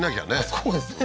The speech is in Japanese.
そうですね